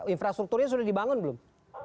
infrastrukturnya sudah dibangun belum